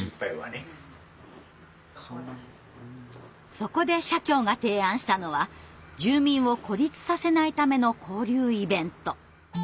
そこで社協が提案したのは住民を孤立させないための交流イベント。